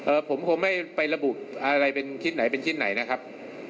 เออผมคงไม่ไประบุอะไรเป็นคิดไหนนะครับ